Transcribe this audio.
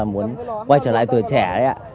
muốn quay trở lại tuổi trẻ